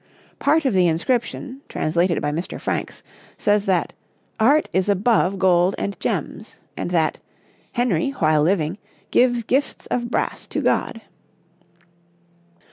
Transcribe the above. Part of the inscription, translated by Mr. Franks, says that 'Art is above gold and gems,' and that 'Henry, while living, gives gifts of brass to God.'